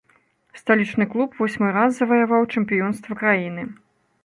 Сталічны клуб восьмы раз заваяваў чэмпіёнства краіны.